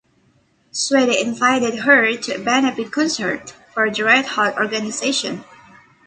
Suede invited her to a benefit concert for the Red Hot Organization.